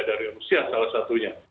dari rusia salah satunya